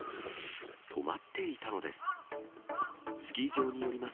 止まっていたのです。